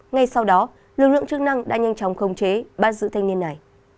ngay sau đó lực lượng chức năng đã nhanh chóng khống chế bắt giữ thanh niên này